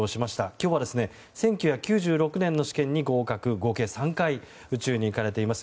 今日は１９９６年の試験に合格合計３回、宇宙に行かれています